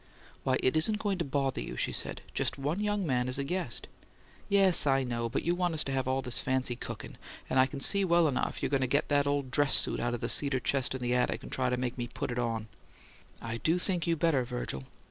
"Why, it isn't going to bother you," she said; "just one young man as a guest." "Yes, I know; but you want to have all this fancy cookin'; and I see well enough you're going to get that old dress suit out of the cedar chest in the attic, and try to make me put it on me." "I do think you better, Virgil."